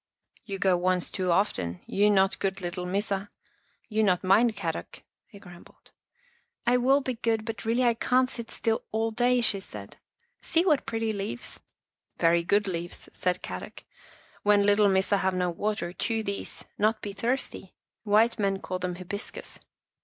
" You go once too often. You not good little Missa. You not mind Kadok," he grumbled. Housekeeping in a Cave m " I will be good, but really I can't sit still all day," she said. " See what pretty leaves." " Very good leaves," said Kadok. " When little Missa have no water, chew these, not be thirsty. White men call them hibiscus."